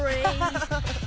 アハハハ。